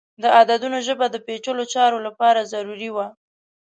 د عددونو ژبه د پیچلو چارو لپاره ضروری وه.